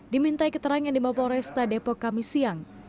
dimintai keterangan di polresta depok kami siang